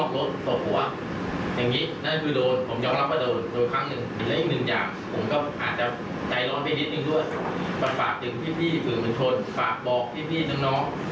นักฤทธิ์เบาหน่อยขอให้กับใครขึ้นแก่ด้วยกัน